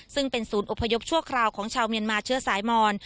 ซึ่งเป็นศูนย์อพยพชั่วคราวของชาวเมียนมาเชื้อสายมอน